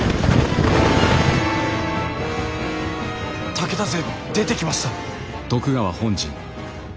武田勢出てきました。